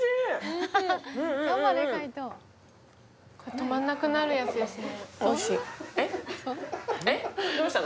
止まらなくなるやつですね。